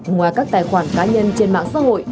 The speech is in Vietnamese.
ngoài các tài khoản cá nhân trên mạng xã hội